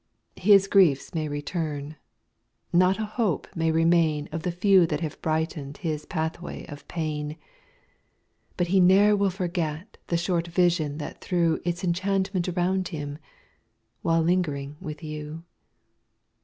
5 His griefs may return, not a hope may remain Of the few that have brighten 'd his pathway of pain, But he ne'er will forget the short vision that threw Its enchantment around him, while lingering with you.